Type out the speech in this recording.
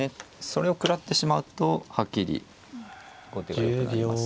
それを食らってしまうとはっきり後手がよくなります。